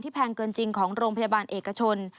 แพงเกินจริงของโรงพยาบาลเอกชน